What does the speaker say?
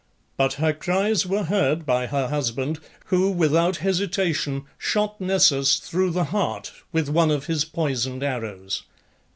But her cries were heard by her husband, who without hesitation shot Nessus through the heart with one of his poisoned arrows.